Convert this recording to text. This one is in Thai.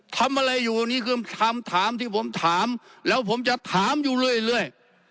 ทำอะไรอยู่นี่คือคำถามที่ผมถามแล้วผมจะถามอยู่เรื่อย